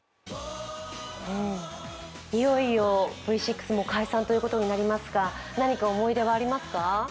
いよいよ、Ｖ６も解散ということになりますが何か思い出はありますか？